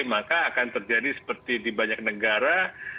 maka akan terjadi seperti di banyak negara